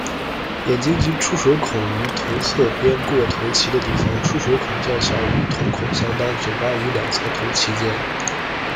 眼睛及出水孔于头侧边过头鳍的地方，出水孔较小，与瞳孔相当，嘴巴于两侧头鳍间。